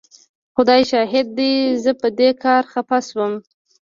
خدای شاهد دی زه په دې کار خفه شوم.